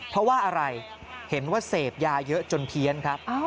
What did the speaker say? เพราะว่าอะไรเห็นว่าเสพยาเยอะจนเพี้ยนครับ